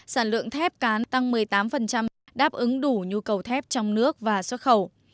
sản lượng thép cán tăng một mươi tám đáp ứng đủ nhu cầu thép trong nước và xuất khẩu